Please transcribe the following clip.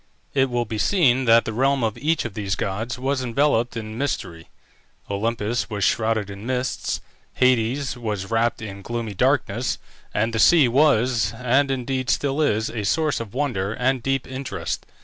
It will be seen that the realm of each of these gods was enveloped in mystery. Olympus was shrouded in mists, Hades was wrapt in gloomy darkness, and the sea was, and indeed still is, a source of wonder and deep interest.